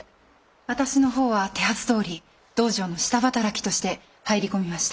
私の方は手はずどおり道場の下働きとして入り込みました。